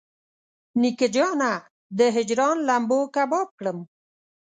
نیکه جانه د هجران لمبو کباب کړم.